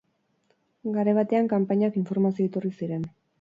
Garai batean kanpaiak informazio iturri ziren.